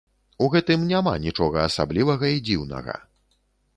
У гэтым няма нічога асаблівага і дзіўнага.